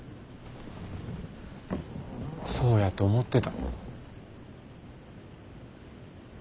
そうやと思ってた。